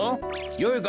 よいか？